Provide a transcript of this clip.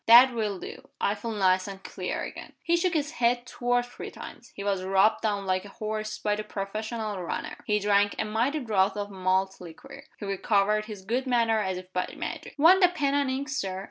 "That will do. I feel nice and clear again." He shook his head two or three times, he was rubbed down like a horse by the professional runner; he drank a mighty draught of malt liquor; he recovered his good humor as if by magic. "Want the pen and ink, Sir?"